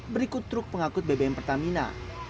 berikut truk pengangkut bbm pertamina